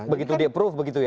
begitu di approve begitu ya